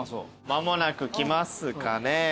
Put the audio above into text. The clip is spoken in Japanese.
間もなく来ますかね。